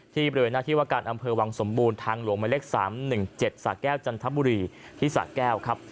บริเวณหน้าที่ว่าการอำเภอวังสมบูรณ์ทางหลวงหมายเลข๓๑๗สะแก้วจันทบุรีที่สะแก้วครับ